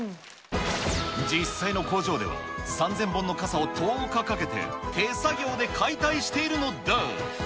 実際の工場では、３０００本の傘を１０日かけて手作業で解体しているのだ。